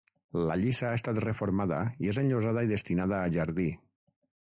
La lliça ha estat reformada i és enllosada i destinada a jardí.